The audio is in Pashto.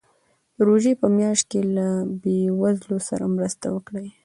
د روژې په میاشت کې له بېوزلو سره مرسته وکړئ.